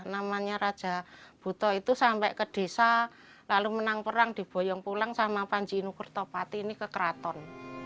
namanya raja buto itu sampai ke desa lalu menang perang diboyong pulang sama panji inukertopati ini ke keraton